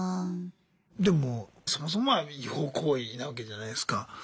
でもそもそもが違法行為なわけじゃないすか。